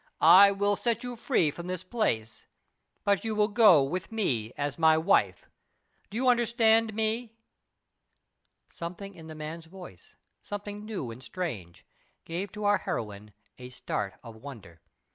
I will set you free from this place, but you will go with me as my wife. Do you understand me?" Something in the man's voice something new and strange gave to our heroine a start of wonder.